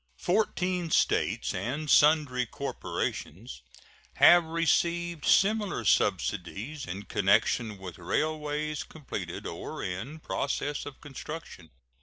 Fourteen States and sundry corporations have received similar subsidies in connection with railways completed or in process of construction.